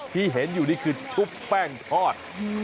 ที่เห็นอยู่นี่คือชุบแป้งทอด